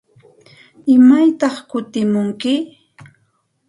¿Imaytaq kutimunki?